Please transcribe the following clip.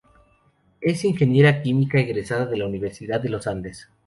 Es ingeniera química egresada de la Universidad de los Andes.